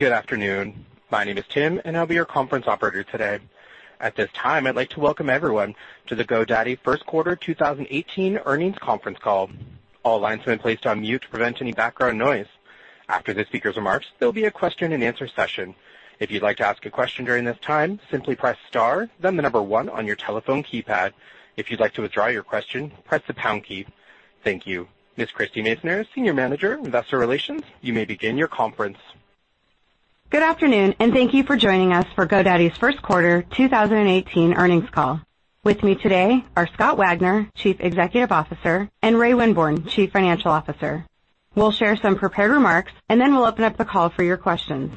Good afternoon. My name is Tim, and I'll be your conference operator today. At this time, I'd like to welcome everyone to the GoDaddy first quarter 2018 earnings conference call. All lines have been placed on mute to prevent any background noise. After the speaker's remarks, there'll be a question and answer session. If you'd like to ask a question during this time, simply press star, then the number 1 on your telephone keypad. If you'd like to withdraw your question, press the pound key. Thank you. Ms. Christie Masoner, Senior Manager, Investor Relations, you may begin your conference. Good afternoon. Thank you for joining us for GoDaddy's first quarter 2018 earnings call. With me today are Scott Wagner, Chief Executive Officer, and Ray Winborne, Chief Financial Officer. We'll share some prepared remarks, and then we'll open up the call for your questions.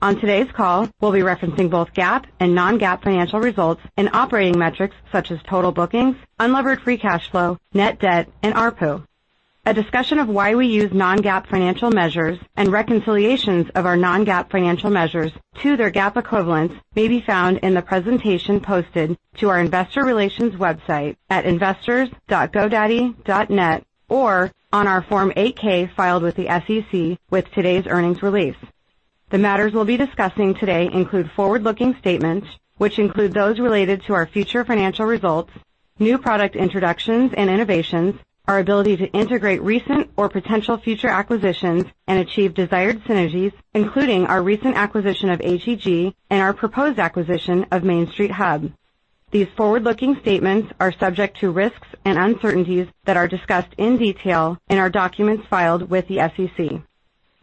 On today's call, we'll be referencing both GAAP and non-GAAP financial results and operating metrics such as total bookings, unlevered free cash flow, net debt, and ARPU. A discussion of why we use non-GAAP financial measures and reconciliations of our non-GAAP financial measures to their GAAP equivalents may be found in the presentation posted to our investor relations website at investors.godaddy.net or on our Form 8-K filed with the SEC with today's earnings release. The matters we'll be discussing today include forward-looking statements, which include those related to our future financial results, new product introductions and innovations, our ability to integrate recent or potential future acquisitions and achieve desired synergies, including our recent acquisition of HEG and our proposed acquisition of Main Street Hub. These forward-looking statements are subject to risks and uncertainties that are discussed in detail in our documents filed with the SEC.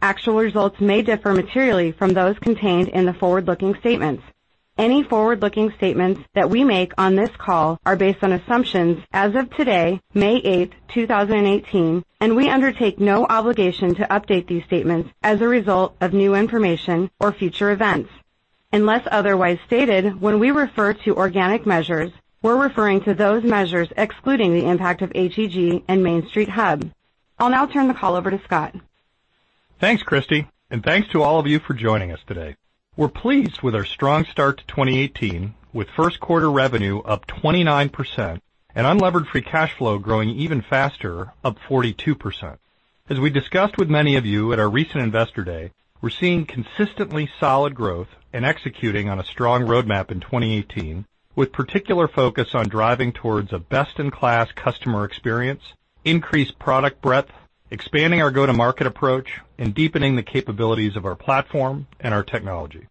Actual results may differ materially from those contained in the forward-looking statements. Any forward-looking statements that we make on this call are based on assumptions as of today, May 8th, 2018, and we undertake no obligation to update these statements as a result of new information or future events. Unless otherwise stated, when we refer to organic measures, we're referring to those measures excluding the impact of HEG and Main Street Hub. I'll now turn the call over to Scott. Thanks, Christie, and thanks to all of you for joining us today. We're pleased with our strong start to 2018, with first quarter revenue up 29% and unlevered free cash flow growing even faster, up 42%. As we discussed with many of you at our recent Investor Day, we're seeing consistently solid growth and executing on a strong roadmap in 2018, with particular focus on driving towards a best-in-class customer experience, increased product breadth, expanding our go-to-market approach, and deepening the capabilities of our platform and our technology.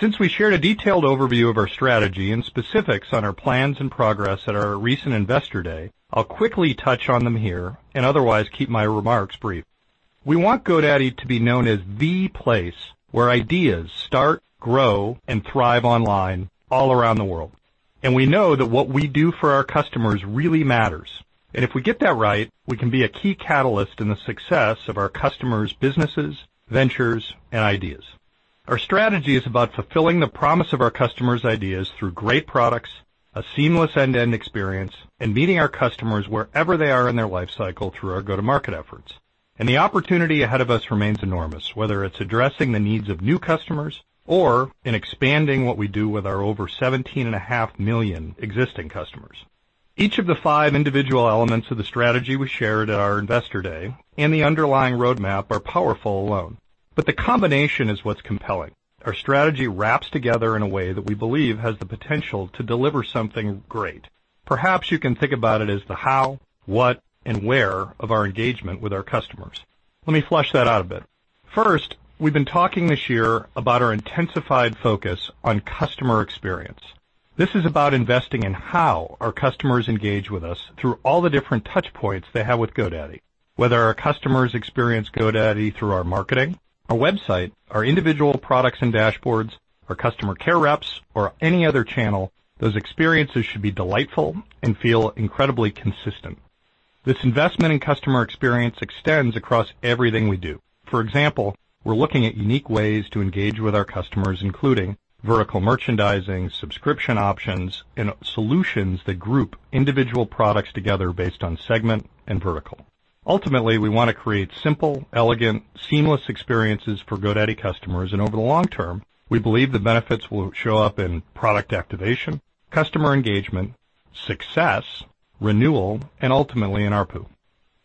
Since we shared a detailed overview of our strategy and specifics on our plans and progress at our recent Investor Day, I'll quickly touch on them here and otherwise keep my remarks brief. We want GoDaddy to be known as the place where ideas start, grow, and thrive online all around the world. We know that what we do for our customers really matters, and if we get that right, we can be a key catalyst in the success of our customers' businesses, ventures, and ideas. Our strategy is about fulfilling the promise of our customers' ideas through great products, a seamless end-to-end experience, and meeting our customers wherever they are in their life cycle through our go-to-market efforts. The opportunity ahead of us remains enormous, whether it's addressing the needs of new customers or in expanding what we do with our over 17.5 million existing customers. Each of the five individual elements of the strategy we shared at our Investor Day and the underlying roadmap are powerful alone. The combination is what's compelling. Our strategy wraps together in a way that we believe has the potential to deliver something great. Perhaps you can think about it as the how, what, and where of our engagement with our customers. Let me flesh that out a bit. First, we've been talking this year about our intensified focus on customer experience. This is about investing in how our customers engage with us through all the different touch points they have with GoDaddy. Whether our customers experience GoDaddy through our marketing, our website, our individual products and dashboards, our customer care reps, or any other channel, those experiences should be delightful and feel incredibly consistent. This investment in customer experience extends across everything we do. For example, we're looking at unique ways to engage with our customers, including vertical merchandising, subscription options, and solutions that group individual products together based on segment and vertical. Ultimately, we want to create simple, elegant, seamless experiences for GoDaddy customers, and over the long term, we believe the benefits will show up in product activation, customer engagement, success, renewal, and ultimately in ARPU.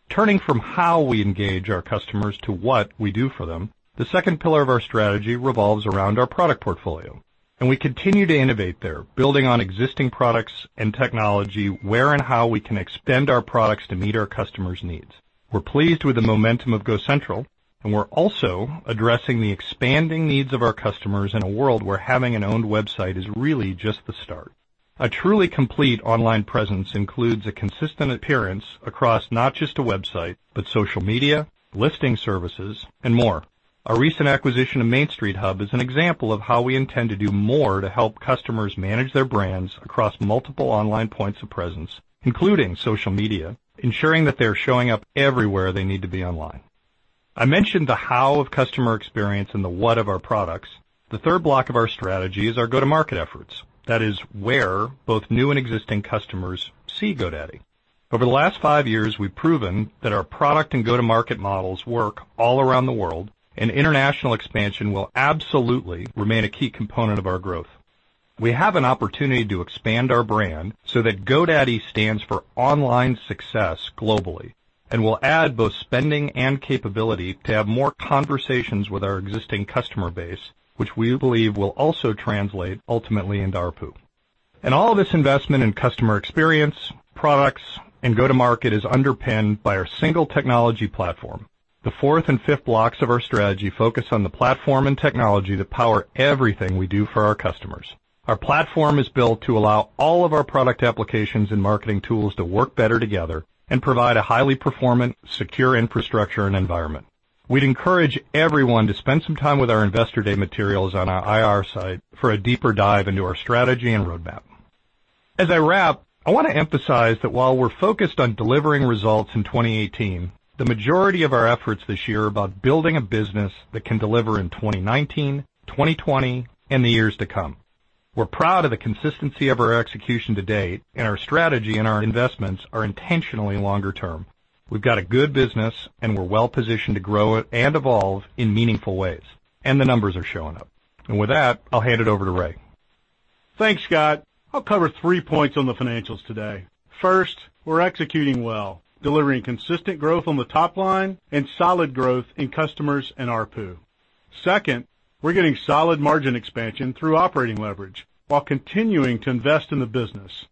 Turning from how we engage our customers to what we do for them, the second pillar of our strategy revolves around our product portfolio, and we continue to innovate there, building on existing products and technology, where and how we can extend our products to meet our customers' needs. We're pleased with the momentum of GoCentral, and we're also addressing the expanding needs of our customers in a world where having an owned website is really just the start. A truly complete online presence includes a consistent appearance across not just a website, but social media, listing services, and more. Our recent acquisition of Main Street Hub is an example of how we intend to do more to help customers manage their brands across multiple online points of presence, including social media, ensuring that they are showing up everywhere they need to be online. I mentioned the how of customer experience and the what of our products. The third block of our strategy is our go-to-market efforts. That is where both new and existing customers see GoDaddy. Over the last five years, we've proven that our product and go-to-market models work all around the world, international expansion will absolutely remain a key component of our growth. We have an opportunity to expand our brand so that GoDaddy stands for online success globally, we'll add both spending and capability to have more conversations with our existing customer base, which we believe will also translate ultimately into ARPU. All of this investment in customer experience, products, and go-to-market is underpinned by our single technology platform. The fourth and fifth blocks of our strategy focus on the platform and technology that power everything we do for our customers. Our platform is built to allow all of our product applications and marketing tools to work better together and provide a highly performant, secure infrastructure and environment. We'd encourage everyone to spend some time with our Investor Day materials on our IR site for a deeper dive into our strategy and roadmap. As I wrap, I want to emphasize that while we're focused on delivering results in 2018, the majority of our efforts this year are about building a business that can deliver in 2019, 2020, and the years to come. We're proud of the consistency of our execution to date, our strategy and our investments are intentionally longer term. We've got a good business, we're well-positioned to grow it and evolve in meaningful ways, the numbers are showing up. With that, I'll hand it over to Ray. Thanks, Scott. I'll cover three points on the financials today. First, we're executing well, delivering consistent growth on the top line and solid growth in customers and ARPU. Second, we're getting solid margin expansion through operating leverage while continuing to invest in the business.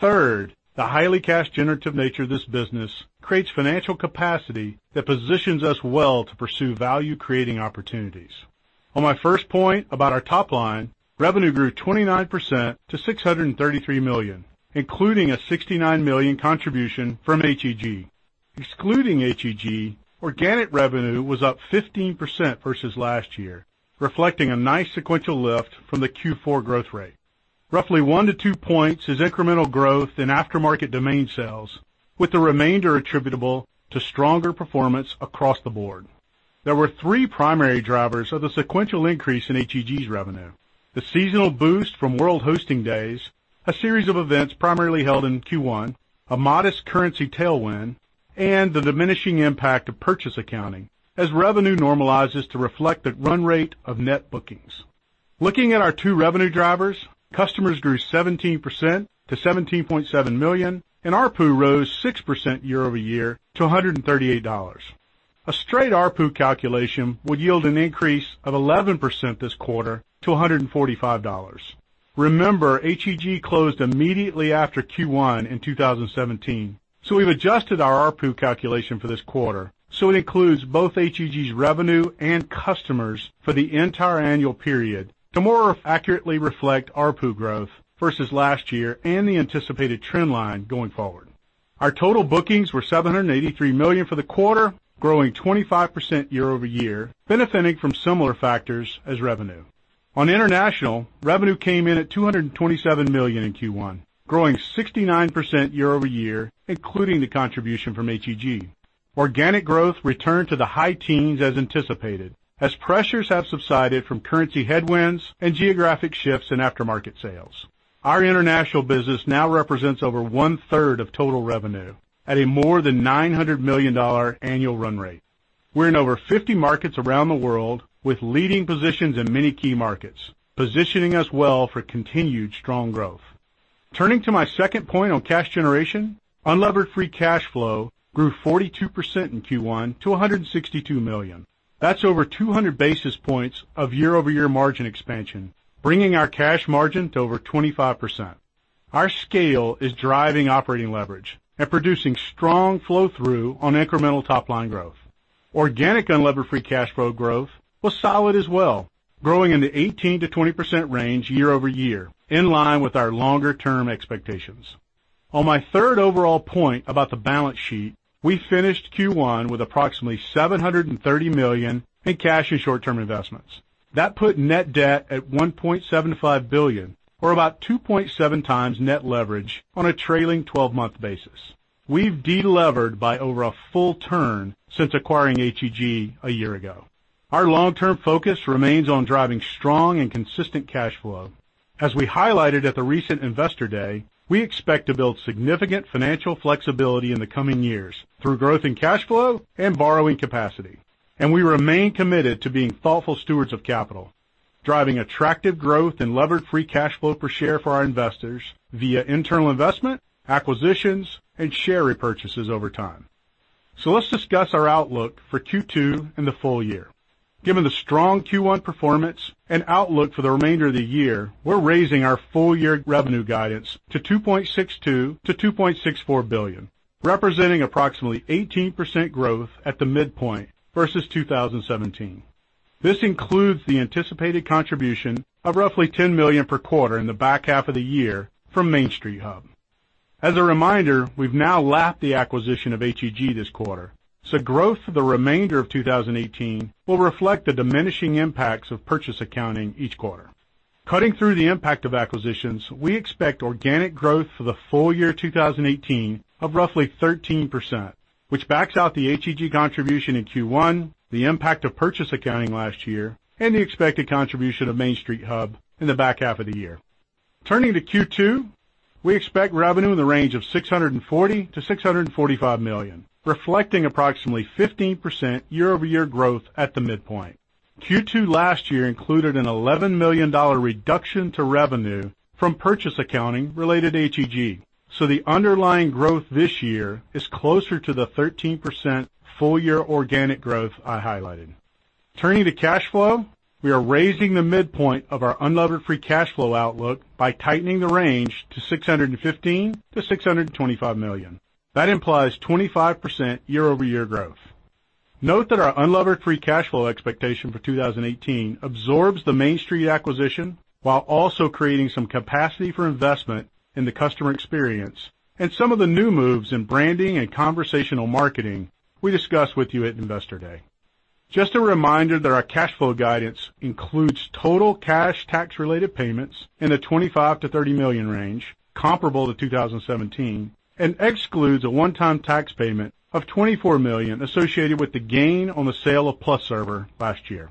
Third, the highly cash-generative nature of this business creates financial capacity that positions us well to pursue value-creating opportunities. On my first point about our top line, revenue grew 29% to $633 million, including a $69 million contribution from HEG. Excluding HEG, organic revenue was up 15% versus last year, reflecting a nice sequential lift from the Q4 growth rate. Roughly one to two points is incremental growth in aftermarket domain sales, with the remainder attributable to stronger performance across the board. There were three primary drivers of the sequential increase in HEG's revenue: the seasonal boost from World Hosting Days, a series of events primarily held in Q1, a modest currency tailwind, and the diminishing impact of purchase accounting as revenue normalizes to reflect the run rate of net bookings. Looking at our two revenue drivers, customers grew 17% to 17.7 million, and ARPU rose 6% year-over-year to $138. A straight ARPU calculation would yield an increase of 11% this quarter to $145. Remember, HEG closed immediately after Q1 in 2017, so we've adjusted our ARPU calculation for this quarter so it includes both HEG's revenue and customers for the entire annual period to more accurately reflect ARPU growth versus last year and the anticipated trend line going forward. Our total bookings were $783 million for the quarter, growing 25% year-over-year, benefiting from similar factors as revenue. On international, revenue came in at $227 million in Q1, growing 69% year-over-year, including the contribution from HEG. Organic growth returned to the high teens as anticipated, as pressures have subsided from currency headwinds and geographic shifts in aftermarket sales. Our international business now represents over one-third of total revenue at a more than $900 million annual run rate. We're in over 50 markets around the world with leading positions in many key markets, positioning us well for continued strong growth. Turning to my second point on cash generation, unlevered free cash flow grew 42% in Q1 to $162 million. That's over 200 basis points of year-over-year margin expansion, bringing our cash margin to over 25%. Our scale is driving operating leverage and producing strong flow-through on incremental top-line growth. Organic unlevered free cash flow growth was solid as well, growing in the 18%-20% range year-over-year, in line with our longer-term expectations. On my third overall point about the balance sheet, we finished Q1 with approximately $730 million in cash and short-term investments. That put net debt at $1.75 billion, or about 2.7 times net leverage on a trailing 12-month basis. We've de-levered by over a full turn since acquiring HEG a year ago. Our long-term focus remains on driving strong and consistent cash flow. As we highlighted at the recent Investor Day, we expect to build significant financial flexibility in the coming years through growth in cash flow and borrowing capacity. We remain committed to being thoughtful stewards of capital, driving attractive growth in levered free cash flow per share for our investors via internal investment, acquisitions, and share repurchases over time. Let's discuss our outlook for Q2 and the full year. Given the strong Q1 performance and outlook for the remainder of the year, we're raising our full-year revenue guidance to $2.62 billion-$2.64 billion, representing approximately 18% growth at the midpoint versus 2017. This includes the anticipated contribution of roughly $10 million per quarter in the back half of the year from Main Street Hub. As a reminder, we've now lapped the acquisition of HEG this quarter, so growth for the remainder of 2018 will reflect the diminishing impacts of purchase accounting each quarter. Cutting through the impact of acquisitions, we expect organic growth for the full year 2018 of roughly 13%, which backs out the HEG contribution in Q1, the impact of purchase accounting last year, and the expected contribution of Main Street Hub in the back half of the year. Turning to Q2, we expect revenue in the range of $640 million-$645 million, reflecting approximately 15% year-over-year growth at the midpoint. Q2 last year included an $11 million reduction to revenue from purchase accounting related to HEG. The underlying growth this year is closer to the 13% full-year organic growth I highlighted. Turning to cash flow, we are raising the midpoint of our unlevered free cash flow outlook by tightening the range to $615 million-$625 million. That implies 25% year-over-year growth. Note that our unlevered free cash flow expectation for 2018 absorbs the Main Street acquisition while also creating some capacity for investment in the customer experience and some of the new moves in branding and conversational marketing we discussed with you at Investor Day. Just a reminder that our cash flow guidance includes total cash tax-related payments in the $25 million-$30 million range, comparable to 2017, and excludes a one-time tax payment of $24 million associated with the gain on the sale of PlusServer last year.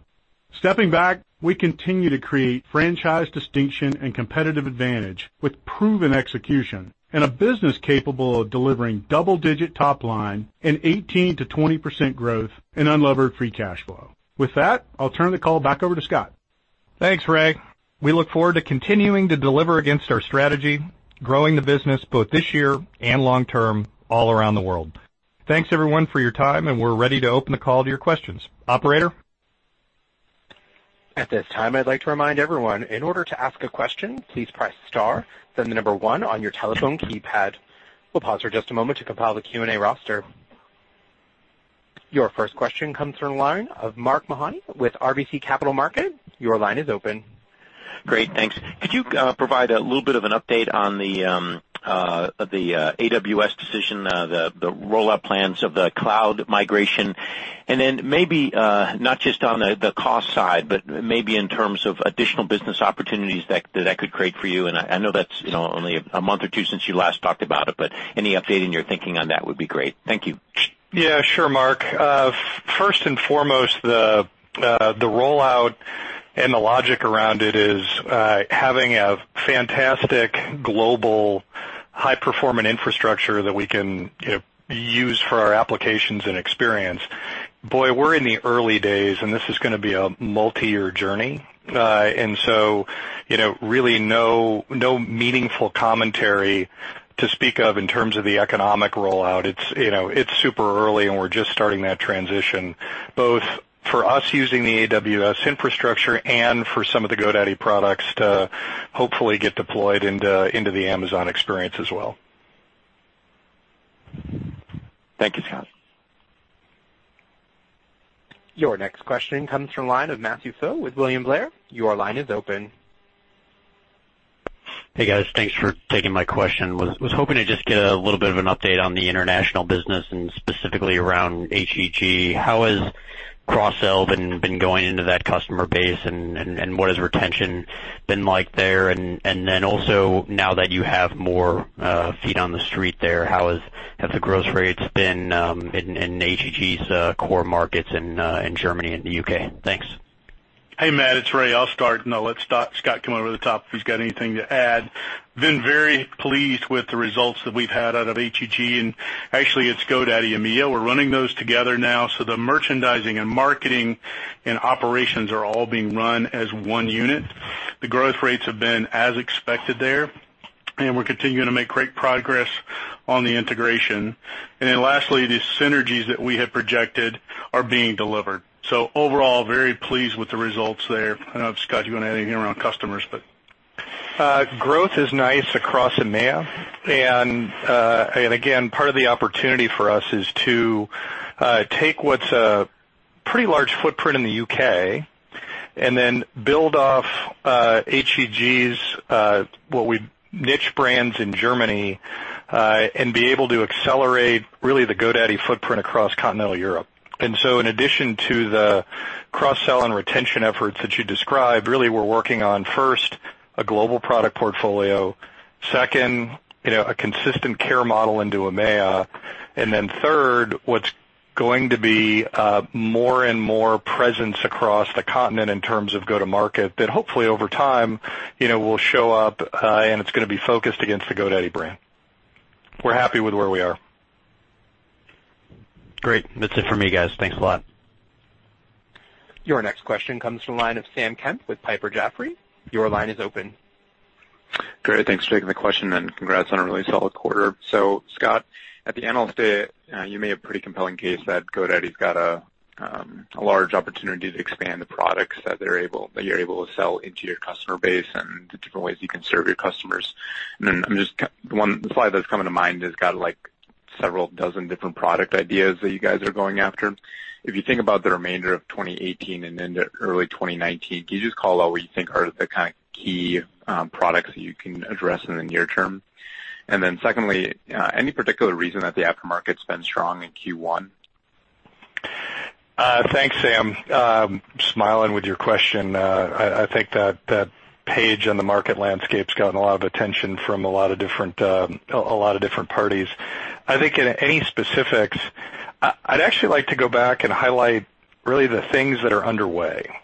Stepping back, we continue to create franchise distinction and competitive advantage with proven execution and a business capable of delivering double-digit top line and 18%-20% growth in unlevered free cash flow. With that, I'll turn the call back over to Scott. Thanks, Ray. We look forward to continuing to deliver against our strategy, growing the business both this year and long term all around the world. Thanks everyone for your time. We're ready to open the call to your questions. Operator? At this time, I'd like to remind everyone, in order to ask a question, please press star, then the number 1 on your telephone keypad. We'll pause for just a moment to compile the Q&A roster. Your first question comes from the line of Mark Mahaney with RBC Capital Markets. Your line is open. Great, thanks. Could you provide a little bit of an update on the AWS decision, the rollout plans of the cloud migration, and then maybe not just on the cost side, but maybe in terms of additional business opportunities that that could create for you? I know that's only a month or two since you last talked about it, but any update in your thinking on that would be great. Thank you. Yeah, sure, Mark. First and foremost, the rollout and the logic around it is having a fantastic global high-performing infrastructure that we can use for our applications and experience. Boy, we're in the early days, and this is going to be a multi-year journey. Really no meaningful commentary to speak of in terms of the economic rollout. It's super early, and we're just starting that transition, both for us using the AWS infrastructure and for some of the GoDaddy products to hopefully get deployed into the Amazon experience as well. Thank you, Scott. Your next question comes from the line of Matthew Pfau with William Blair. Your line is open. Hey, guys. Thanks for taking my question. Was hoping to just get a little bit of an update on the international business and specifically around HEG. How has cross-sell been going into that customer base, and what has retention been like there? Also, now that you have more feet on the street there, how have the growth rates been in HEG's core markets in Germany and the U.K.? Thanks. Hey, Matt, it's Ray. I'll start. I'll let Scott come over the top if he's got anything to add. Been very pleased with the results that we've had out of HEG. Actually, it's GoDaddy EMEA. We're running those together now. The merchandising and marketing and operations are all being run as one unit. The growth rates have been as expected there. We're continuing to make great progress on the integration. Lastly, the synergies that we had projected are being delivered. Overall, very pleased with the results there. I don't know if, Scott, you want to add anything around customers, but Growth is nice across EMEA. Again, part of the opportunity for us is to take what's a pretty large footprint in the U.K. build off HEG's niche brands in Germany, be able to accelerate, really, the GoDaddy footprint across continental Europe. In addition to the cross-sell and retention efforts that you described, really, we're working on, first, a global product portfolio, second, a consistent care model into EMEA. Third, what's going to be more and more presence across the continent in terms of go-to-market that hopefully over time, will show up, and it's going to be focused against the GoDaddy brand. We're happy with where we are. Great. That's it for me, guys. Thanks a lot. Your next question comes from the line of Sam Kemp with Piper Jaffray. Your line is open. Great. Thanks for taking the question, and congrats on a really solid quarter. Scott, at the Analyst Day, you made a pretty compelling case that GoDaddy's got a large opportunity to expand the products that you're able to sell into your customer base and the different ways you can serve your customers. The slide that's coming to mind has got several dozen different product ideas that you guys are going after. If you think about the remainder of 2018 and into early 2019, can you just call out what you think are the kind of key products that you can address in the near term? Secondly, any particular reason that the aftermarket's been strong in Q1? Thanks, Sam. Smiling with your question. I think that page on the market landscape's gotten a lot of attention from a lot of different parties. I think any specifics, I'd actually like to go back and highlight really the things that are underway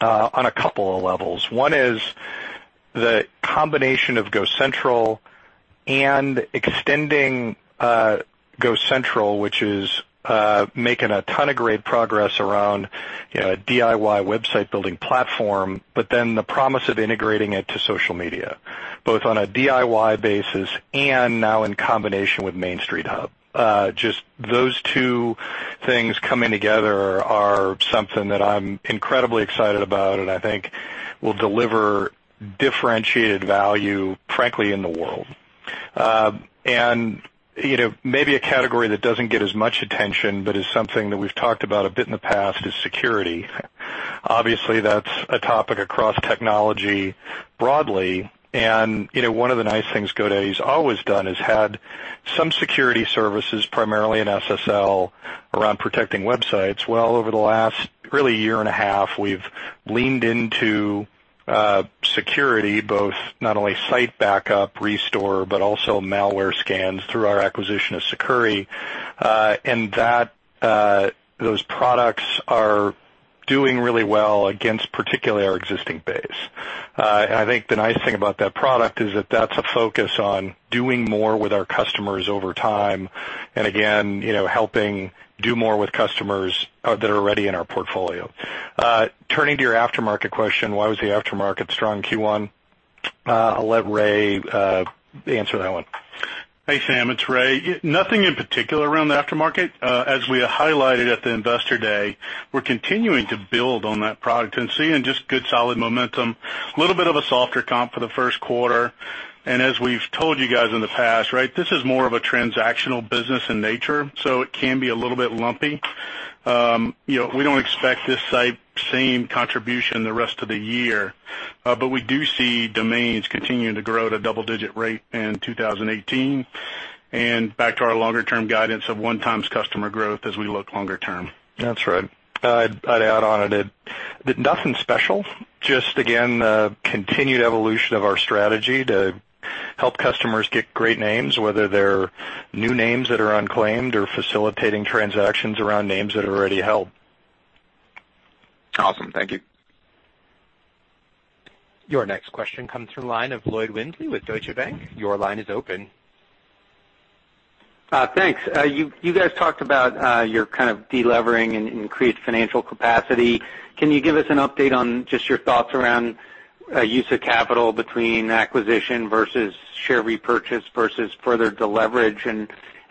on a couple of levels. One is the combination of GoCentral and extending GoCentral, which is making a ton of great progress around DIY website building platform, but then the promise of integrating it to social media, both on a DIY basis and now in combination with Main Street Hub. Just those two things coming together are something that I'm incredibly excited about and I think will deliver differentiated value, frankly, in the world. Maybe a category that doesn't get as much attention but is something that we've talked about a bit in the past, is security. Obviously, that's a topic across technology broadly, and one of the nice things GoDaddy's always done is had some security services, primarily in SSL, around protecting websites. Well, over the last, really, year and a half, we've leaned into security, both not only site backup restore, but also malware scans through our acquisition of Sucuri. Those products are doing really well against particularly our existing base. I think the nice thing about that product is that that's a focus on doing more with our customers over time, and again, helping do more with customers that are already in our portfolio. Turning to your aftermarket question, why was the aftermarket strong in Q1? I'll let Ray answer that one. Hey, Sam. It's Ray. Nothing in particular around the aftermarket. As we highlighted at the investor day, we're continuing to build on that product and seeing just good, solid momentum. A little bit of a softer comp for the first quarter. As we've told you guys in the past, this is more of a transactional business in nature, so it can be a little bit lumpy. We don't expect this same contribution the rest of the year. We do see domains continuing to grow at a double-digit rate in 2018, and back to our longer-term guidance of one times customer growth as we look longer term. That's right. I'd add on to it that nothing special. Just again, the continued evolution of our strategy to help customers get great names, whether they're new names that are unclaimed or facilitating transactions around names that are already held. Awesome. Thank you. Your next question comes from the line of Lloyd Walmsley with Deutsche Bank. Your line is open. Thanks. You guys talked about your kind of de-leveraging and increased financial capacity. Can you give us an update on just your thoughts around use of capital between acquisition versus share repurchase versus further de-leverage?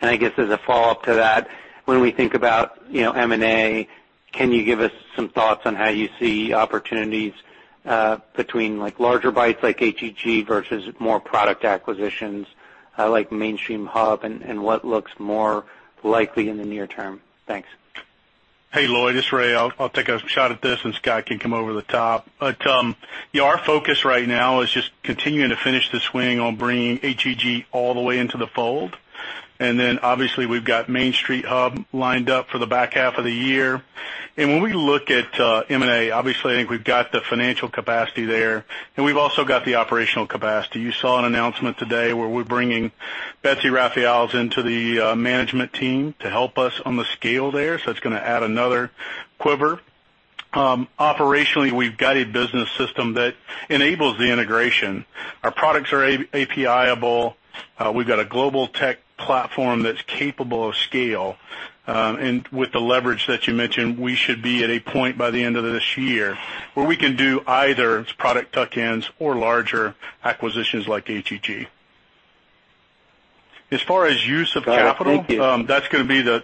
I guess as a follow-up to that, when we think about M&A, can you give us some thoughts on how you see opportunities between larger bites like HEG versus more product acquisitions like Main Street Hub and what looks more likely in the near term? Thanks. Hey, Lloyd, it's Ray. I'll take a shot at this, and Scott can come over the top. Our focus right now is just continuing to finish the swing on bringing HEG all the way into the fold. Then obviously we've got Main Street Hub lined up for the back half of the year. When we look at M&A, obviously, I think we've got the financial capacity there, and we've also got the operational capacity. You saw an announcement today where we're bringing Betsy Rafael into the management team to help us on the scale there. That's going to add another quiver. Operationally, we've got a business system that enables the integration. Our products are API-able. We've got a global tech platform that's capable of scale. With the leverage that you mentioned, we should be at a point by the end of this year where we can do either product tuck-ins or larger acquisitions like HEG. As far as use of capital- Got it.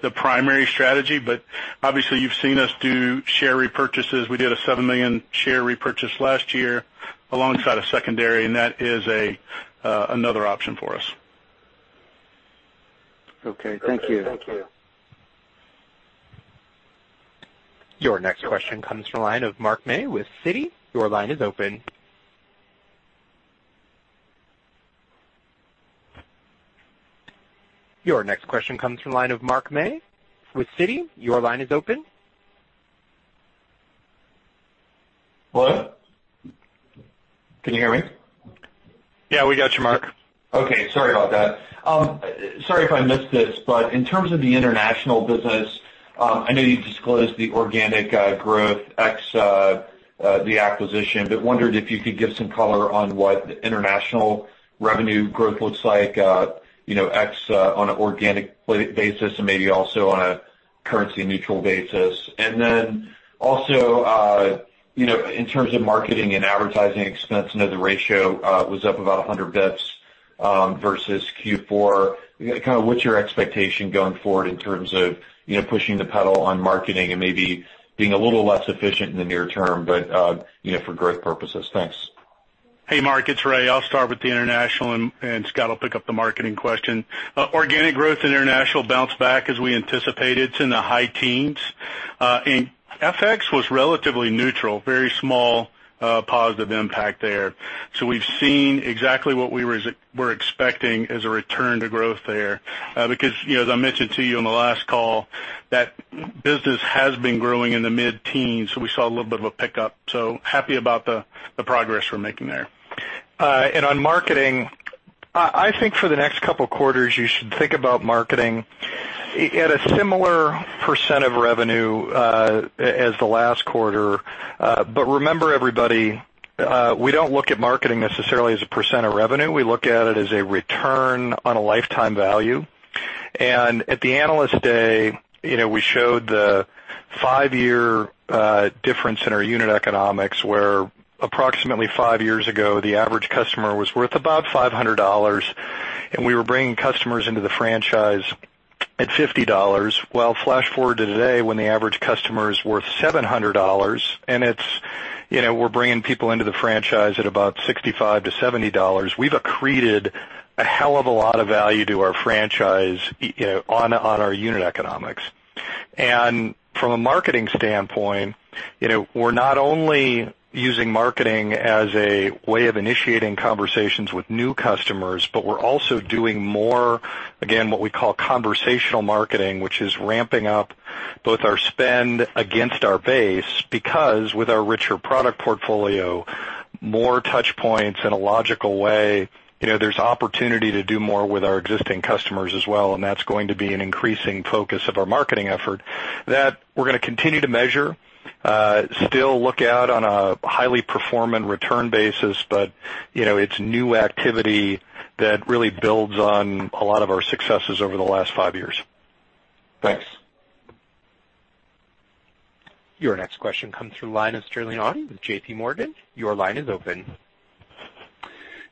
Thank you Obviously you've seen us do share repurchases. We did a 7 million share repurchase last year alongside a secondary. That is another option for us. Okay. Thank you. Your next question comes from the line of Mark May with Citi. Your line is open. Hello? Can you hear me? Yeah, we got you, Mark. Okay. Sorry about that. Sorry if I missed this, but in terms of the international business, I know you disclosed the organic growth ex the acquisition, but wondered if you could give some color on what international revenue growth looks like ex on an organic basis and maybe also on a currency-neutral basis. Also, in terms of marketing and advertising expense, I know the ratio was up about 100 basis points versus Q4. What's your expectation going forward in terms of pushing the pedal on marketing and maybe being a little less efficient in the near term, but for growth purposes? Thanks. Hey, Mark, it's Ray. I'll start with the international, Scott will pick up the marketing question. Organic growth international bounced back as we anticipated. It's in the high teens. FX was relatively neutral, very small positive impact there. We've seen exactly what we were expecting as a return to growth there. As I mentioned to you on the last call, that business has been growing in the mid-teens, we saw a little bit of a pickup. Happy about the progress we're making there. On marketing I think for the next couple of quarters, you should think about marketing at a similar percent of revenue as the last quarter. Remember, everybody, we don't look at marketing necessarily as a percent of revenue. We look at it as a return on a lifetime value. At the Analyst Day, we showed the five-year difference in our unit economics, where approximately five years ago, the average customer was worth about $500, and we were bringing customers into the franchise at $50. Flash forward to today when the average customer is worth $700 and we're bringing people into the franchise at about $65 to $70. We've accreted a hell of a lot of value to our franchise on our unit economics. From a marketing standpoint, we're not only using marketing as a way of initiating conversations with new customers, but we're also doing more, again, what we call conversational marketing, which is ramping up both our spend against our base, because with our richer product portfolio, more touch points in a logical way, there's opportunity to do more with our existing customers as well, and that's going to be an increasing focus of our marketing effort that we're going to continue to measure, still look out on a highly performant return basis, but it's new activity that really builds on a lot of our successes over the last five years. Thanks. Your next question comes through the line of Sterling Auty with J.P. Morgan. Your line is open.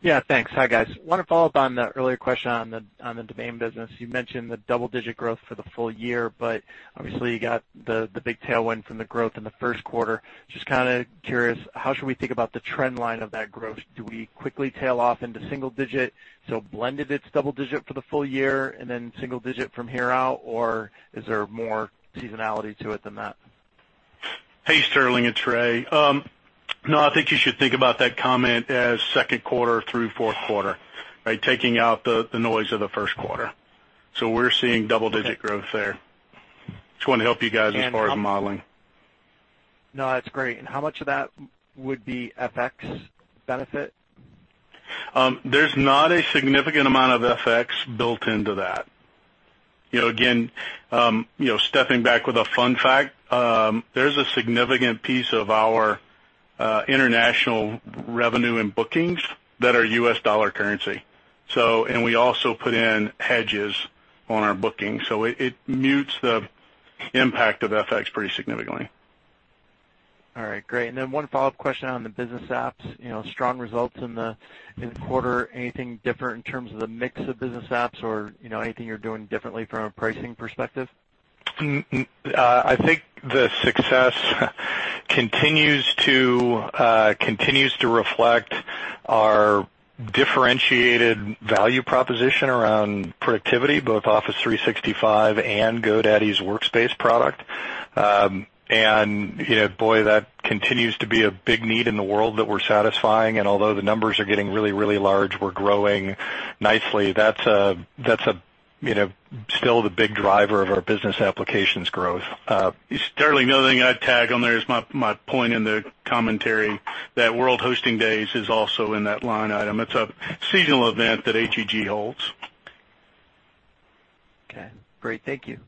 Yeah, thanks. Hi, guys. I want to follow up on the earlier question on the domain business. You mentioned the double-digit growth for the full year, but obviously, you got the big tailwind from the growth in the first quarter. Just kind of curious, how should we think about the trend line of that growth? Do we quickly tail off into single digit, so blended it's double digit for the full year and then single digit from here out? Or is there more seasonality to it than that? Hey, Sterling. It's Rey. I think you should think about that comment as second quarter through fourth quarter, right? Taking out the noise of the first quarter. We're seeing double-digit growth there. Just wanted to help you guys as far as modeling. No, that's great. How much of that would be FX benefit? There's not a significant amount of FX built into that. Again, stepping back with a fun fact, there's a significant piece of our international revenue and bookings that are US dollar currency. We also put in hedges on our bookings, so it mutes the impact of FX pretty significantly. All right, great. Then one follow-up question on the business apps. Strong results in the quarter. Anything different in terms of the mix of business apps or anything you're doing differently from a pricing perspective? I think the success continues to reflect our differentiated value proposition around productivity, both Microsoft 365 and GoDaddy's Workspace product. Boy, that continues to be a big need in the world that we're satisfying. Although the numbers are getting really large, we're growing nicely. That's still the big driver of our business applications growth. Sterling, another thing I'd tag on there is my point in the commentary that World Hosting Days is also in that line item. It's a seasonal event that HEG holds. Okay, great. Thank you.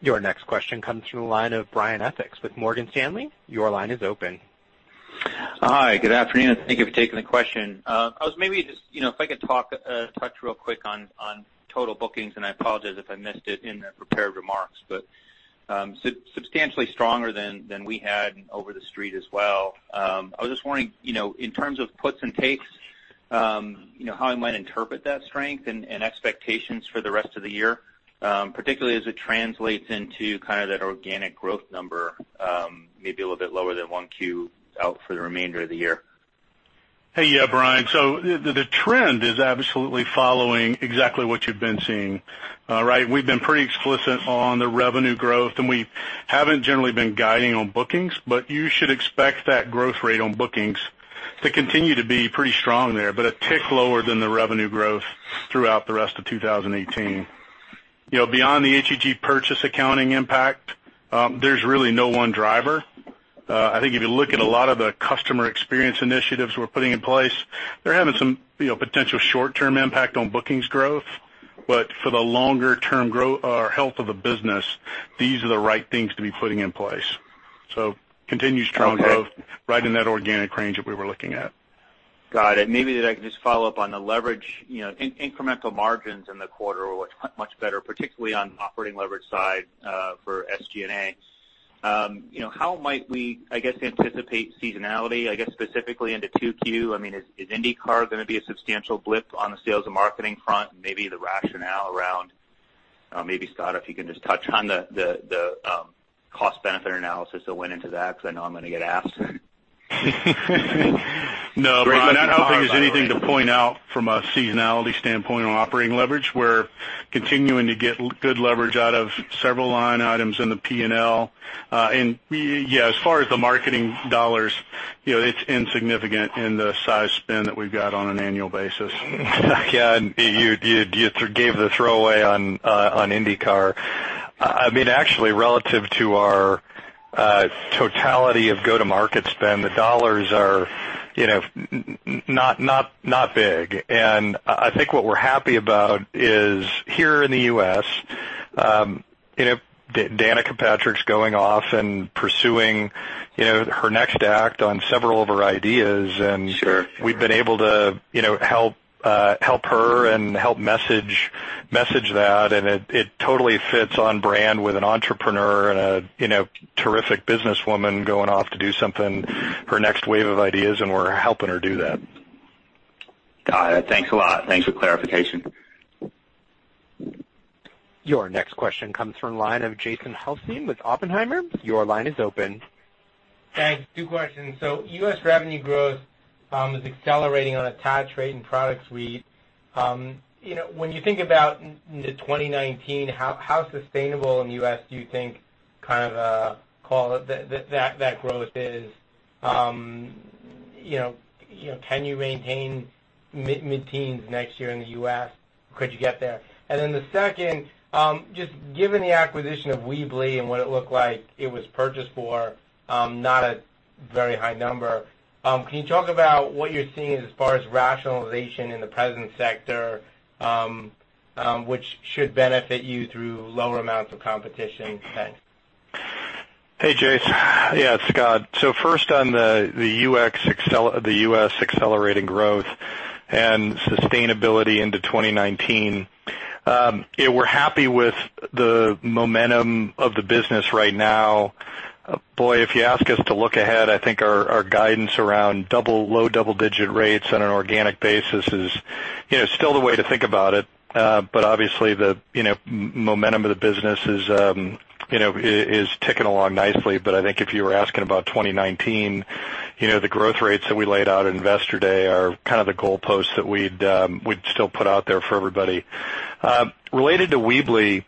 Your next question comes through the line of Brian Essex with Morgan Stanley. Your line is open. Hi, good afternoon. Thank you for taking the question. I could talk real quick on total bookings, I apologize if I missed it in the prepared remarks, substantially stronger than we had and over the street as well. I was just wondering, in terms of puts and takes, how I might interpret that strength and expectations for the rest of the year, particularly as it translates into kind of that organic growth number, maybe a little bit lower than 1Q out for the remainder of the year. Hey. Yeah, Brian. The trend is absolutely following exactly what you've been seeing. All right? We haven't generally been guiding on bookings, but you should expect that growth rate on bookings to continue to be pretty strong there, but a tick lower than the revenue growth throughout the rest of 2018. Beyond the HEG purchase accounting impact, there's really no one driver. I think if you look at a lot of the customer experience initiatives we're putting in place, they're having some potential short-term impact on bookings growth. For the longer-term growth or health of the business, these are the right things to be putting in place. Continuous strong growth- Okay. -right in that organic range that we were looking at. Got it. Maybe if I could just follow up on the leverage. Incremental margins in the quarter were much better, particularly on operating leverage side for SG&A. How might we, I guess, anticipate seasonality, I guess, specifically into 2Q? Is IndyCar going to be a substantial blip on the sales and marketing front? Maybe the rationale around, maybe Scott, if you can just touch on the cost-benefit analysis that went into that, because I know I'm going to get asked. No, Brian, I don't think there's anything to point out from a seasonality standpoint on operating leverage. We're continuing to get good leverage out of several line items in the P&L. Yeah, as far as the marketing dollars, it's insignificant in the size spend that we've got on an annual basis. Yeah, you gave the throwaway on IndyCar. Actually, relative to our totality of go-to-market spend, the dollars are not big. I think what we're happy about is here in the U.S., Danica Patrick's going off and pursuing her next act on several of her ideas. Sure. We've been able to help her and help message that, it totally fits on brand with an entrepreneur and a terrific businesswoman going off to do something, her next wave of ideas, we're helping her do that. Got it. Thanks a lot. Thanks for clarification. Your next question comes from the line of Jason Helfstein with Oppenheimer. Your line is open. Thanks. Two questions. U.S. revenue growth is accelerating on attach rate and products, Ray. When you think about into 2019, how sustainable in the U.S. do you think that growth is? Can you maintain mid-teens next year in the U.S.? Could you get there? The second, just given the acquisition of Weebly and what it looked like it was purchased for, not a very high number, can you talk about what you're seeing as far as rationalization in the presence sector, which should benefit you through lower amounts of competition? Thanks. Hey, Jason. Yeah, it's Scott. First on the U.S. accelerating growth and sustainability into 2019. We're happy with the momentum of the business right now. Boy, if you ask us to look ahead, I think our guidance around low double-digit rates on an organic basis is still the way to think about it. Obviously, the momentum of the business is ticking along nicely. I think if you were asking about 2019, the growth rates that we laid out at Investor Day are kind of the goalposts that we'd still put out there for everybody. Related to Weebly,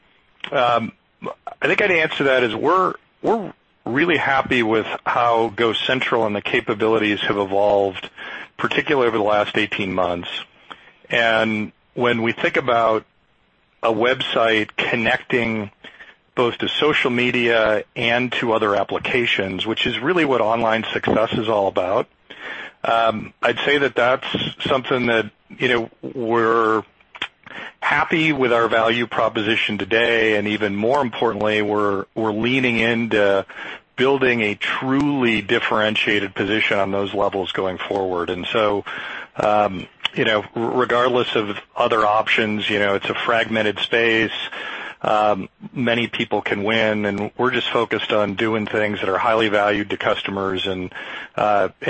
I think I'd answer that as we're really happy with how GoCentral and the capabilities have evolved, particularly over the last 18 months. When we think about a website connecting both to social media and to other applications, which is really what online success is all about, I'd say that that's something that we're happy with our value proposition today, and even more importantly, we're leaning into building a truly differentiated position on those levels going forward. Regardless of other options, it's a fragmented space. Many people can win, and we're just focused on doing things that are highly valued to customers and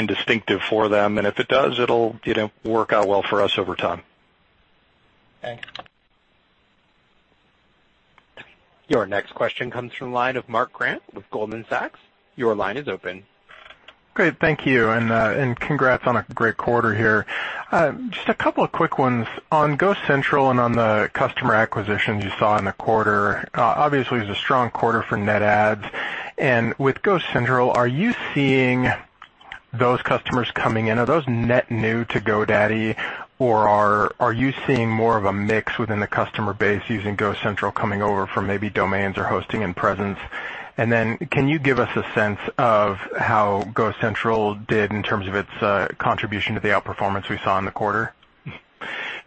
distinctive for them. If it does, it'll work out well for us over time. Thanks. Your next question comes from the line of Mark Grant with Goldman Sachs. Your line is open. Great. Thank you, and congrats on a great quarter here. Just a couple of quick ones. On GoCentral and on the customer acquisitions you saw in the quarter, obviously, it was a strong quarter for net adds. With GoCentral, are you seeing those customers coming in? Are those net new to GoDaddy, or are you seeing more of a mix within the customer base using GoCentral coming over from maybe domains or hosting and presence? Can you give us a sense of how GoCentral did in terms of its contribution to the outperformance we saw in the quarter?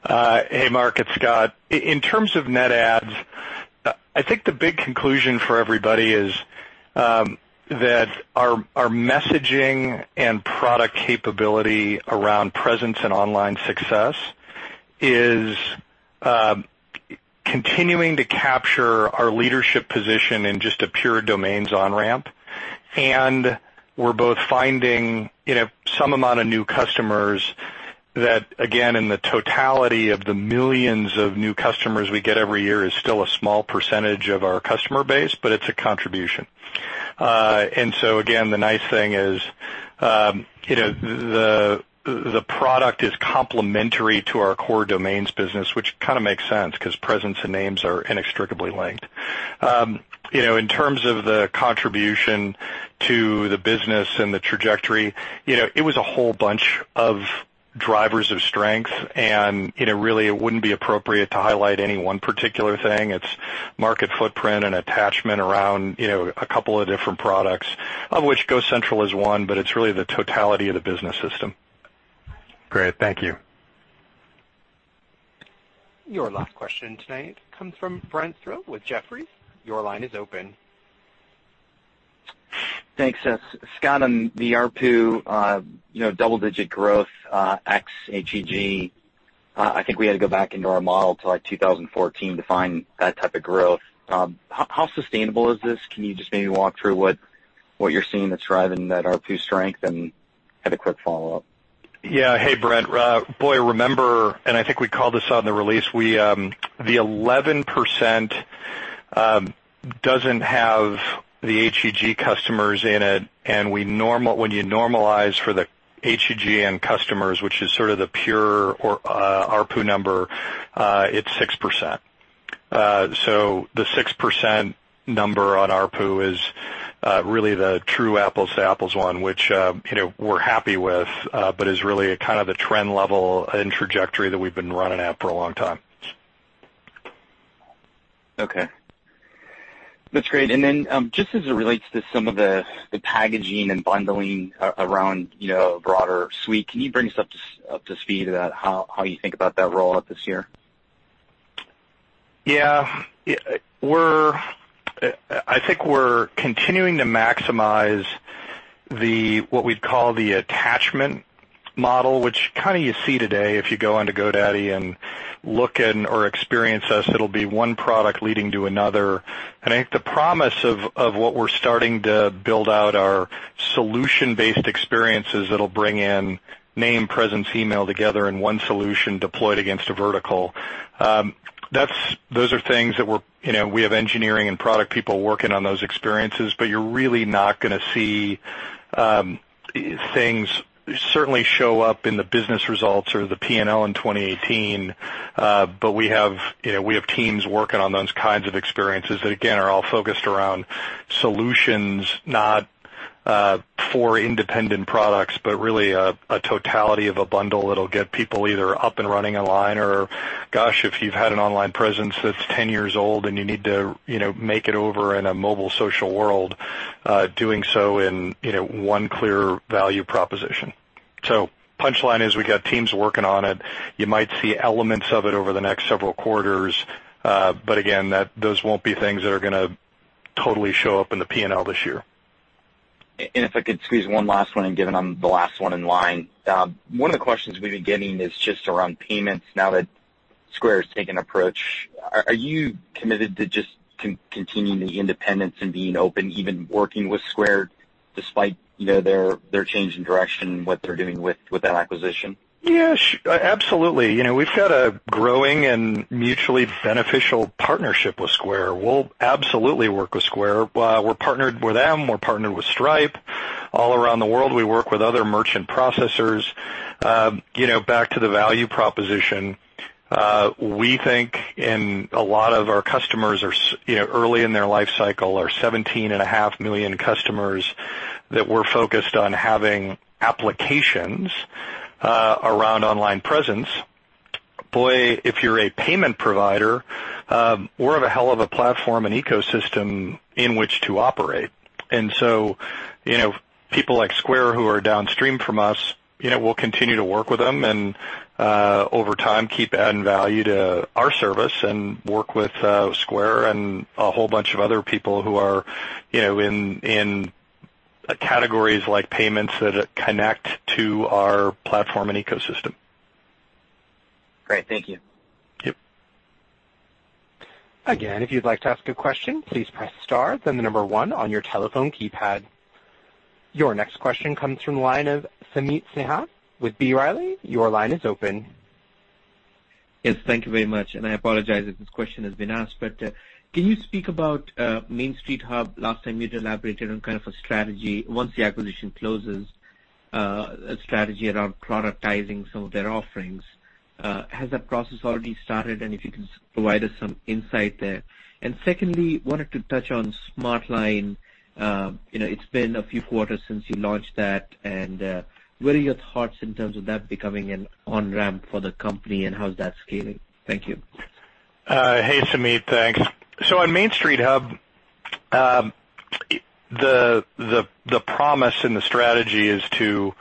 Hey, Mark, it's Scott. In terms of net adds, I think the big conclusion for everybody is that our messaging and product capability around presence and online success is continuing to capture our leadership position in just a pure domains on-ramp. We're both finding some amount of new customers that, again, in the totality of the millions of new customers we get every year, is still a small percentage of our customer base, but it's a contribution. Again, the nice thing is the product is complementary to our core domains business, which kind of makes sense because presence and names are inextricably linked. In terms of the contribution to the business and the trajectory, it was a whole bunch of drivers of strength, and really it wouldn't be appropriate to highlight any one particular thing. It's market footprint and attachment around a couple of different products, of which GoCentral is one, but it's really the totality of the business system. Great. Thank you. Your last question tonight comes from Brent Thill with Jefferies. Your line is open. Thanks. Scott, on the ARPU double-digit growth ex-HEG, I think we had to go back into our model to 2014 to find that type of growth. How sustainable is this? Can you just maybe walk through what you're seeing that's driving that ARPU strength? I have a quick follow-up. Yeah. Hey, Brent. Boy, remember, I think we called this on the release, the 11% doesn't have the HEG customers in it, and when you normalize for the HEG end customers, which is sort of the pure ARPU number, it's 6%. The 6% number on ARPU is really the true apples to apples one, which we're happy with, but is really kind of the trend level and trajectory that we've been running at for a long time. Okay. That's great. Then just as it relates to some of the packaging and bundling around a broader suite, can you bring us up to speed about how you think about that rollout this year? I think we're continuing to maximize what we'd call the attachment model, which kind of you see today, if you go onto GoDaddy and look in or experience us, it'll be one product leading to another. I think the promise of what we're starting to build out are solution-based experiences that'll bring in name, presence, email together in one solution deployed against a vertical. Those are things that we have engineering and product people working on those experiences, but you're really not going to see things certainly show up in the business results or the P&L in 2018. We have teams working on those kinds of experiences that, again, are all focused around solutions, not for independent products, but really a totality of a bundle that'll get people either up and running online or, gosh, if you've had an online presence that's 10 years old and you need to make it over in a mobile social world, doing so in one clear value proposition. Punchline is we've got teams working on it. You might see elements of it over the next several quarters. Again, those won't be things that are going to totally show up in the P&L this year. If I could squeeze one last one in, given I'm the last one in line. One of the questions we've been getting is just around payments now that Square's taken approach. Are you committed to just continuing the independence and being open, even working with Square despite their change in direction, what they're doing with that acquisition? Yeah. Absolutely. We've got a growing and mutually beneficial partnership with Square. We'll absolutely work with Square. We're partnered with them. We're partnered with Stripe. All around the world, we work with other merchant processors. Back to the value proposition, we think in a lot of our customers are early in their life cycle, our 17.5 million customers that we're focused on having applications around online presence. Boy, if you're a payment provider, we're of a hell of a platform and ecosystem in which to operate. People like Square who are downstream from us, we'll continue to work with them and, over time, keep adding value to our service and work with Square and a whole bunch of other people who are in categories like payments that connect to our platform and ecosystem. Great. Thank you. Yep. Again, if you'd like to ask a question, please press star, then the number one on your telephone keypad. Your next question comes from the line of Sameet Sinha with B. Riley. Your line is open. Yes, thank you very much. I apologize if this question has been asked, but can you speak about Main Street Hub? Last time you'd elaborated on kind of a strategy once the acquisition closes, a strategy around productizing some of their offerings. Has that process already started? If you could provide us some insight there. Secondly, wanted to touch on SmartLine. It's been a few quarters since you launched that, and what are your thoughts in terms of that becoming an on-ramp for the company, and how is that scaling? Thank you. Hey, Sameet. Thanks. On Main Street Hub, the promise and the strategy is to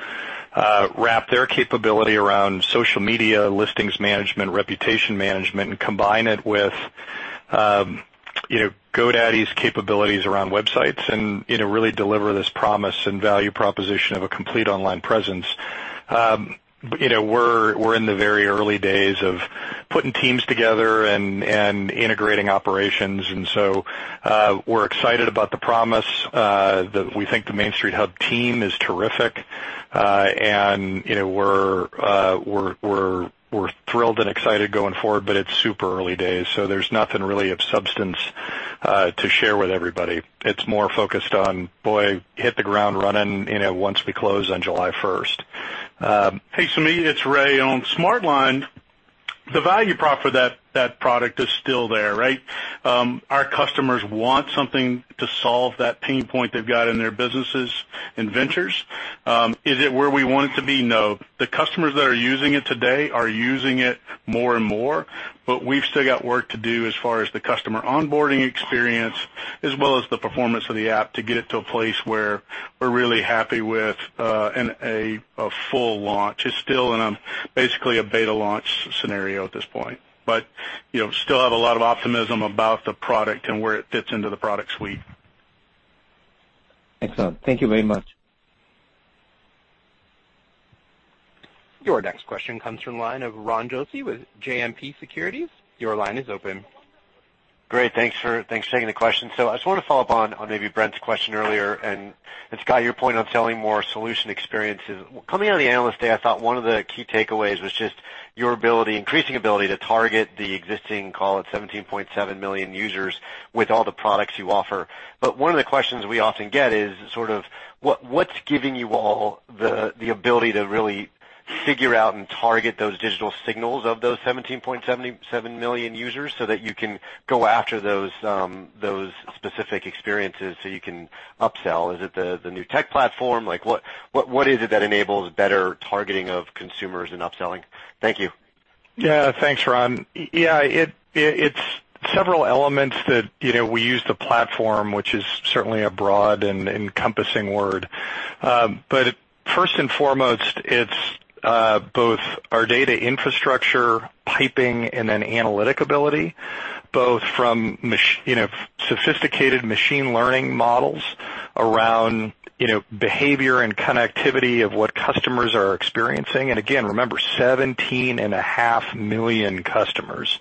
wrap their capability around social media, listings management, reputation management, and combine it with GoDaddy's capabilities around websites and really deliver this promise and value proposition of a complete online presence. We're in the very early days of putting teams together and integrating operations, we're excited about the promise. We think the Main Street Hub team is terrific. We're thrilled and excited going forward, but it's super early days, there's nothing really of substance to share with everybody. It's more focused on, boy, hit the ground running, once we close on July 1st. Hey, Sameet, it's Ray. On SmartLine, the value prop for that product is still there, right? Our customers want something to solve that pain point they've got in their businesses and ventures. Is it where we want it to be? No. The customers that are using it today are using it more and more, but we've still got work to do as far as the customer onboarding experience, as well as the performance of the app to get it to a place where we're really happy with a full launch. It's still in basically a beta launch scenario at this point. Still have a lot of optimism about the product and where it fits into the product suite. Excellent. Thank you very much. Your next question comes from the line of Ron Josey with JMP Securities. Your line is open. Great. Thanks for taking the question. I just want to follow up on maybe Brent's question earlier and, Scott, your point on selling more solution experiences. Coming out of the Analyst Day, I thought one of the key takeaways was just your increasing ability to target the existing, call it 17.7 million users, with all the products you offer. One of the questions we often get is sort of what's giving you all the ability to figure out and target those digital signals of those 17.77 million users so that you can go after those specific experiences so you can upsell? Is it the new tech platform? What is it that enables better targeting of consumers and upselling? Thank you. Thanks, Ron. It's several elements that we use the platform, which is certainly a broad and encompassing word. First and foremost, it's both our data infrastructure, piping, and analytic ability, both from sophisticated machine learning models around behavior and connectivity of what customers are experiencing. Again, remember, 17.5 million customers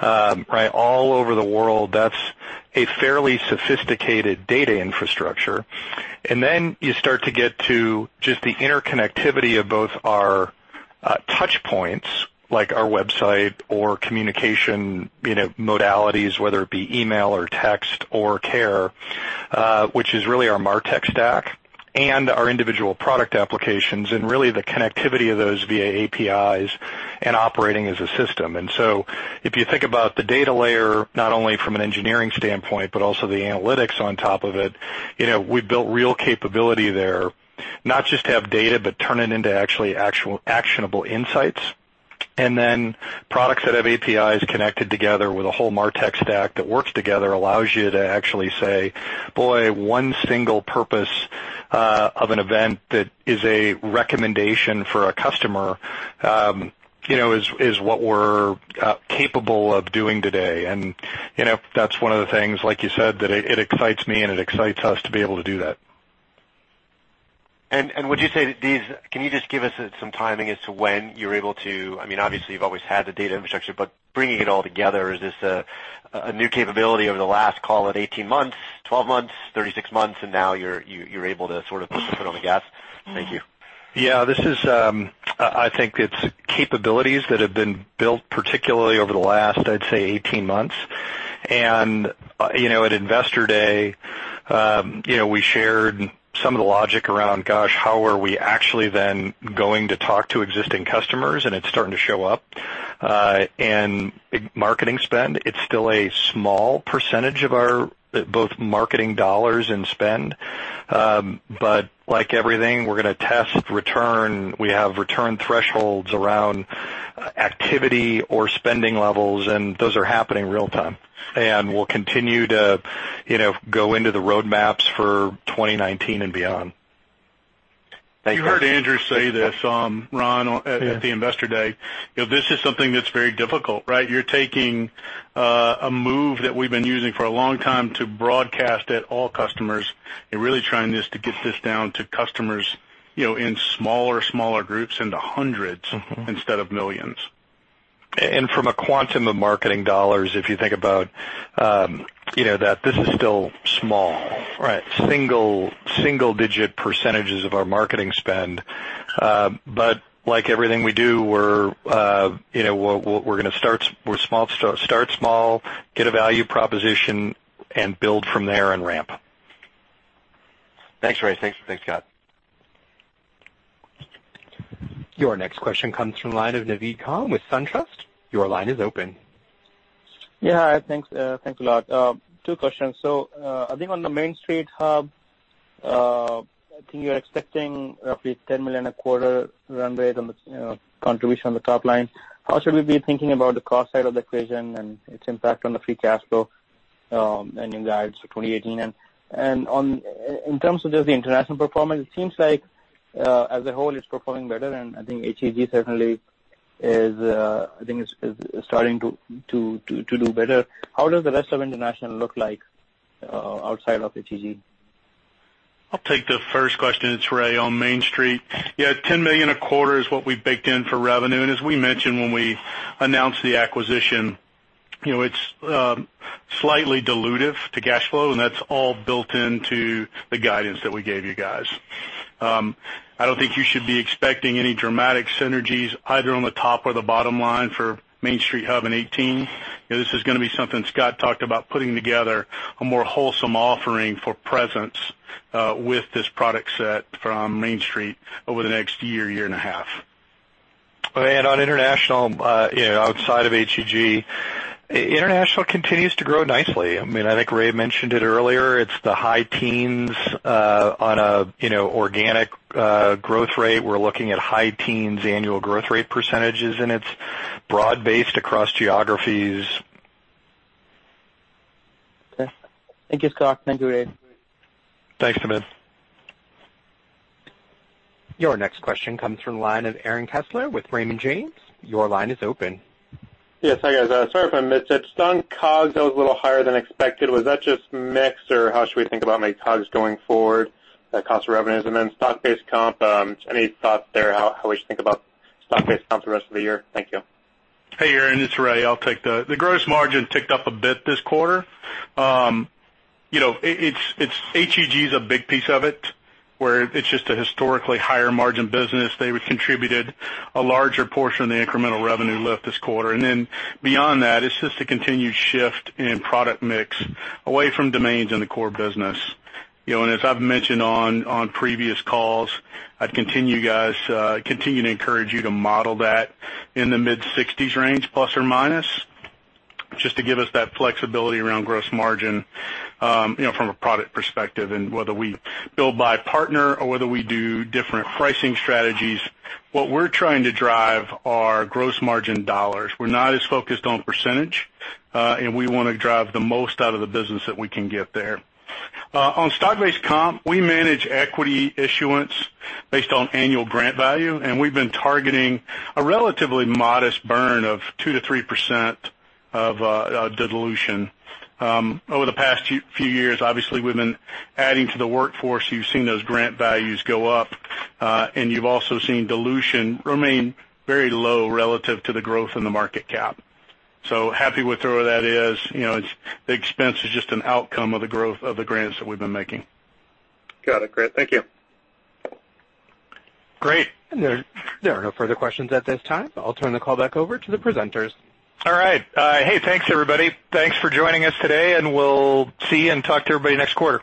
all over the world. That's a fairly sophisticated data infrastructure. You start to get to just the interconnectivity of both our touch points, like our website or communication modalities, whether it be email or text or care, which is really our MarTech stack, and our individual product applications, and really the connectivity of those via APIs and operating as a system. If you think about the data layer, not only from an engineering standpoint but also the analytics on top of it, we've built real capability there. Not just to have data, turn it into actually actionable insights. Products that have APIs connected together with a whole MarTech stack that works together allows you to actually say, boy, one single purpose of an event that is a recommendation for a customer is what we're capable of doing today. That's one of the things, like you said, that it excites me and it excites us to be able to do that. Would you say that these. Can you just give us some timing as to when you're able to, obviously you've always had the data infrastructure, but bringing it all together, is this a new capability over the last, call it 18 months, 12 months, 36 months, and now you're able to sort of put the foot on the gas? Thank you. I think it's capabilities that have been built, particularly over the last, I'd say, 18 months. At Investor Day, we shared some of the logic around, gosh, how are we actually then going to talk to existing customers? It's starting to show up. In marketing spend, it's still a small percentage of our both marketing dollars and spend. Like everything, we're going to test return. We have return thresholds around activity or spending levels. Those are happening real time. We'll continue to go into the roadmaps for 2019 and beyond. Thank you. You heard Andrew say this, Ron. Yeah at the Investor Day. This is something that's very difficult, right? You're taking a move that we've been using for a long time to broadcast at all customers and really trying this to get this down to customers in smaller groups, into hundreds. instead of millions. From a quantum of marketing dollars, if you think about that this is still small. Right. Single-digit percentages of our marketing spend. Like everything we do, we're going to start small, get a value proposition, and build from there and ramp. Thanks, Ray. Thanks, Scott. Your next question comes from the line of Naved Khan with SunTrust. Your line is open. Thanks a lot. Two questions. I think on the Main Street Hub, I think you're expecting roughly $10 million a quarter run rate on the contribution on the top line. How should we be thinking about the cost side of the equation and its impact on the free cash flow and your guides for 2018? In terms of just the international performance, it seems like as a whole, it's performing better, and I think HEG certainly is starting to do better. How does the rest of international look like outside of HEG? I'll take the first question. It's Ray, on Main Street. $10 million a quarter is what we baked in for revenue. As we mentioned when we announced the acquisition, it's slightly dilutive to cash flow. That's all built into the guidance that we gave you guys. I don't think you should be expecting any dramatic synergies either on the top or the bottom line for Main Street Hub in 2018. This is going to be something Scott talked about, putting together a more wholesome offering for presence with this product set from Main Street over the next year and a half. On international, outside of HEG, international continues to grow nicely. I think Ray mentioned it earlier. It's the high teens on organic growth rate. We're looking at high teens annual growth rate percentages. It's broad-based across geographies. Okay. Thank you, Scott. Thank you, Ray. Thanks, Naved. Your next question comes from the line of Aaron Kessler with Raymond James. Your line is open. Yes. Hi, guys. Sorry if I missed it. On COGS, that was a little higher than expected. Was that just mix, or how should we think about COGS going forward, the cost of revenues? Then stock-based comp, any thoughts there how we should think about stock-based comp the rest of the year? Thank you. Hey, Aaron, it's Ray. I'll take that. The gross margin ticked up a bit this quarter. HEG's a big piece of it, where it's just a historically higher margin business. They contributed a larger portion of the incremental revenue lift this quarter. Then beyond that, it's just a continued shift in product mix away from domains in the core business. As I've mentioned on previous calls, I'd continue to encourage you to model that in the mid-60s range, plus or minus, just to give us that flexibility around gross margin from a product perspective and whether we build by partner or whether we do different pricing strategies. What we're trying to drive are gross margin dollars. We're not as focused on percentage, and we want to drive the most out of the business that we can get there. On stock-based comp, we manage equity issuance based on annual grant value. We've been targeting a relatively modest burn of 2%-3% of dilution. Over the past few years, obviously, we've been adding to the workforce. You've seen those grant values go up. You've also seen dilution remain very low relative to the growth in the market cap. Happy with where that is. The expense is just an outcome of the growth of the grants that we've been making. Got it. Great. Thank you. Great. There are no further questions at this time. I'll turn the call back over to the presenters. All right. Hey, thanks, everybody. Thanks for joining us today. We'll see and talk to everybody next quarter.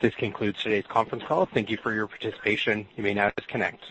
This concludes today's conference call. Thank you for your participation. You may now disconnect.